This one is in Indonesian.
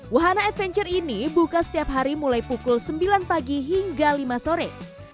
wahana adventure ini buka setiap hari mulai pukul sembilan pagi hingga lima sore